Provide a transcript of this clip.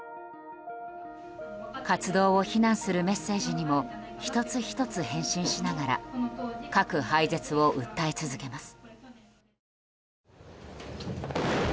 活動を非難するメッセージにも１つ１つ返信しながら核廃絶を訴え続けます。